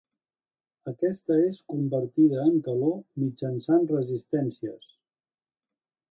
Aquesta és convertida en calor mitjançant resistències.